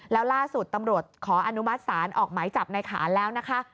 แล้วล่าสุดตำรวจขออนุมัติศาลออกหมายจับในขานแล้วนะคะ